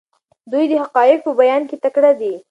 دی د حقایقو په بیان کې تکړه دی.